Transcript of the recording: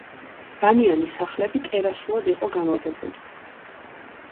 ბანიანი სახლები ტერასულად იყო განლაგებული.